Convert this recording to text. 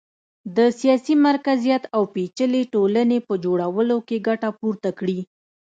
د سیاسي مرکزیت او پېچلې ټولنې په جوړولو کې ګټه پورته کړي